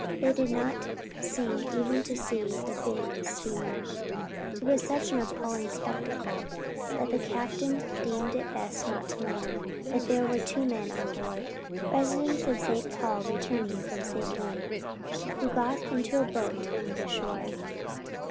They did not seem even to see the big steamer. It was such an appalling spectacle that the captain deemed it best not to land, but there were two men on board, residents of St. Paul returning from St. Louis who got into a boat and went ashore.